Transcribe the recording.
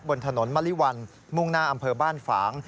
บนถนนมะลิวันมุ่งหน้าอำเภอบ้านฝาง